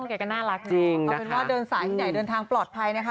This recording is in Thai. แกก็น่ารักนะเอาเป็นว่าเดินสายที่ไหนเดินทางปลอดภัยนะคะ